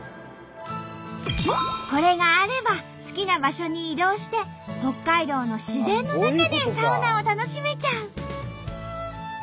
これがあれば好きな場所に移動して北海道の自然の中でサウナを楽しめちゃう。